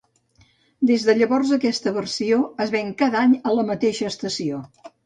Des de llavors aquesta versió es ven cada any a la mateixa estació.